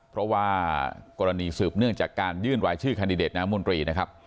เพราะว่ากรณีสืบเนื่องจากการยื่นรายชื่อคันดิเดตน้ำมนตรีนะครับ